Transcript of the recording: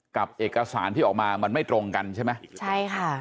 กับเอกสารที่ออกมามันไม่ตรงกันใช่ไหมใช่ค่ะ